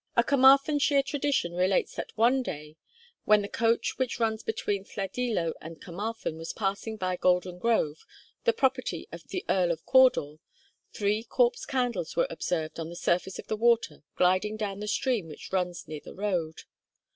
A Carmarthenshire tradition relates that one day, when the coach which runs between Llandilo and Carmarthen was passing by Golden Grove, the property of the Earl of Cawdor, three Corpse Candles were observed on the surface of the water gliding down the stream which runs near the road.